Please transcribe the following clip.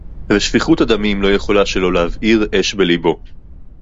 ושפיכות הדמים לא יכולה שלא להבעיר אש בלבו